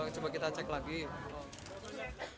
inspeksi pendadak sengaja digelar dua pekan jelang ramadan